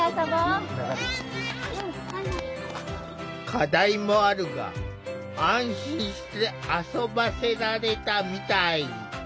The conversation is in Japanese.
課題もあるが安心して遊ばせられたみたい。